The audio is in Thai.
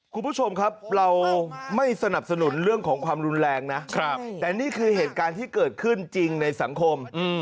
คุณผู้ชมครับเราไม่สนับสนุนเรื่องของความรุนแรงนะแต่นี่คือเหตุการณ์ที่เกิดขึ้นจริงในสังคม